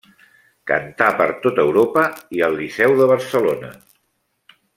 Cantà per tot Europa i al Liceu de Barcelona.